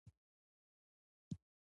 د پېرودونکو خدمتونه د خلکو ستونزې ژر حلوي.